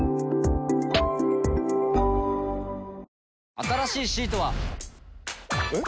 新しいシートは。えっ？